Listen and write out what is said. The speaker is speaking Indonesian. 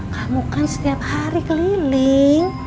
kamu kan setiap hari keliling